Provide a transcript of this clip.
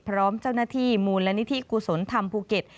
พร้อมเจ้าหน้าที่มูลนิธิกุศลธรรมภูเก็ต